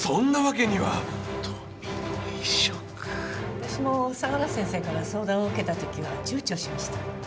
私も相良先生から相談を受けた時は躊躇しました。